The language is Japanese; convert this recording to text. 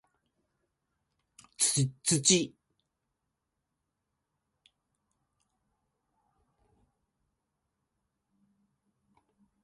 土